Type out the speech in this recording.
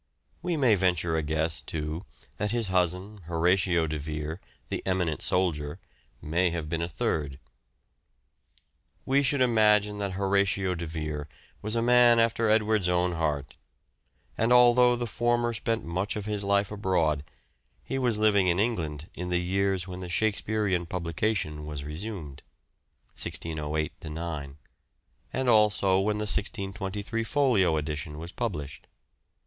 We may venture a guess, too, that his cousin, Horatio de Vere, the eminent soldier, may have been a third. We should imagine that Horatio de Vere was a man after Edward's own heart ; and, although the former spent much of his life abroad, he was living in England in the years when the Shakespearean publication was resumed (1608 9) and also when the 1623 Folio edition was published.